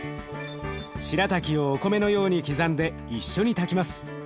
しらたきをお米のように刻んで一緒に炊きます。